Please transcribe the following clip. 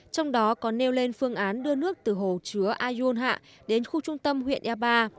trong đó còn nêu lên phương án đưa nước từ hồ chứa a dương hạ đến khu trung tâm huyện gia ba